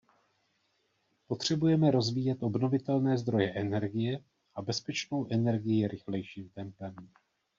Potřebujeme rozvíjet obnovitelné zdroje energie a bezpečnou energii rychlejším tempem.